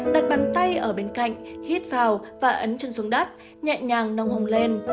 đặt bàn tay ở bên cạnh hít vào và ấn chân xuống đất nhẹ nhàng nâng hông lên